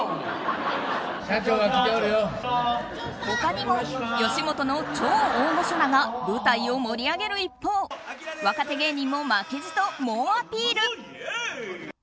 他にも吉本の超大御所らが舞台を盛り上げる一方若手芸人も負けじと猛アピール。